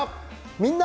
「みんな！